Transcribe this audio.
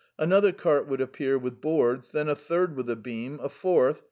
Another cart would appear with planks ; then a third with a beam ; then a fourth